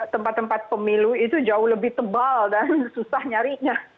tempat tempat pemilu itu jauh lebih tebal dan susah nyarinya